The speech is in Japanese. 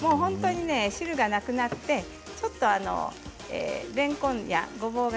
汁がなくなってれんこんや、ごぼうが